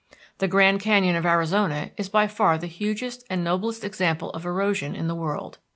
The Grand Canyon of Arizona is by far the hugest and noblest example of erosion in the world.